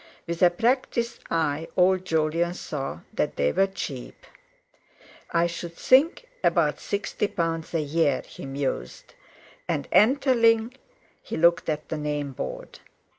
With a practised eye old Jolyon saw that they were cheap. "I should think about sixty pound a year," he mused; and entering, he looked at the name board.